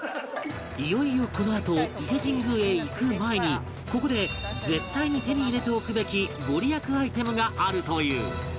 いよいよこのあと伊勢神宮へ行く前にここで絶対に手に入れておくべきご利益アイテムがあるという